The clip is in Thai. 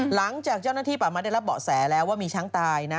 หลังจากเจ้าหน้าที่ป่าไม้ได้รับเบาะแสแล้วว่ามีช้างตายนะ